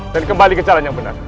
dan kembali ke caranya yang benar